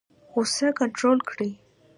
غوسه کنټرول کړئ